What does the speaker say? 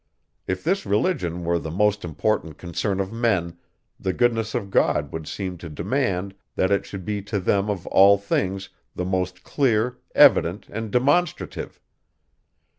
If this religion were the most important concern of men, the goodness of God would seem to demand, that it should be to them of all things the most clear, evident, and demonstrative.